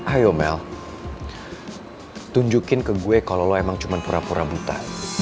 ayo mel tunjukin ke gue kalau lo emang cuma pura pura buta